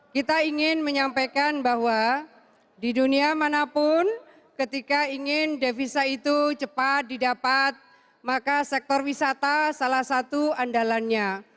kita ingin menyampaikan bahwa di dunia manapun ketika ingin devisa itu cepat didapat maka sektor wisata salah satu andalannya